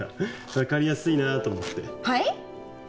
いや分かりやすいなと思ってはい？